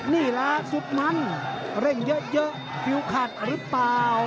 นี่แหละสุดนั้นเร่งเยอะฟิวขัดหรือเปล่า